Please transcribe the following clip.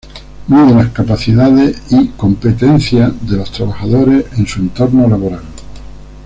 Mide las capacidades y competencias de los trabajadores en su entorno laboral.